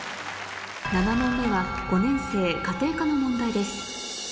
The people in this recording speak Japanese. ７問目は５年生家庭科の問題です